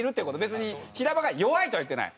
別に平場が弱いとは言ってない。